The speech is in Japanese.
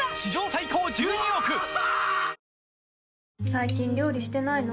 最近料理してないの？